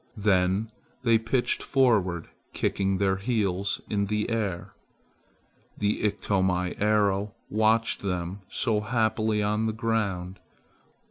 Then they pitched forward, kicking their heels in the air. The Iktomi arrow watched them so happy on the ground.